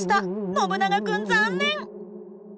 ノブナガ君残念！